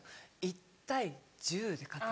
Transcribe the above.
１対１０で飼って。